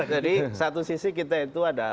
jadi satu sisi kita itu ada